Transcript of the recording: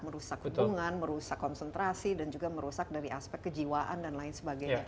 merusak hubungan merusak konsentrasi dan juga merusak dari aspek kejiwaan dan lain sebagainya